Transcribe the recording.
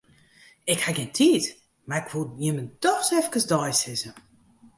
Ik haw gjin tiid, mar 'k woe jimme doch efkes deisizze.